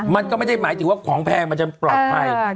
มันก็ไม่ได้หมายถึงว่าของแพงมันจะปลอดภัย